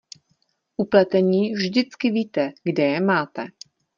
U pletení vždycky víte, kde je máte.